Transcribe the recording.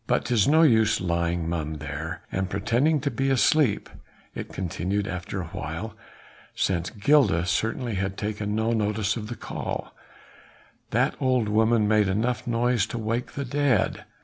but 'tis no use lying mum there, and pretending to be asleep," it continued after awhile, since Gilda certainly had taken no notice of the call, "that old woman made enough noise to wake the dead."